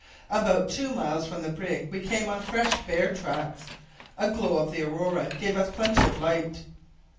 "About two miles from the brig we came on fresh bear tracks. A glow of the aurora gave us plenty of light.